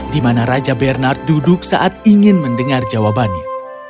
di mana raja bernard duduk saat ingin mendengar jawabannya